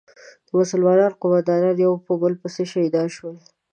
د مسلمانانو قومندانان یو په بل پسې شهیدان شول.